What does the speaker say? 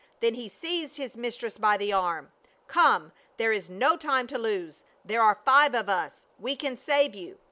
Then he seized his mistress by the arm. " Come, there is no time to lose. There are five of us — we can save you."